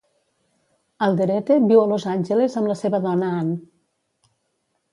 Alderete viu a Los Angeles amb la seva dona, Anne.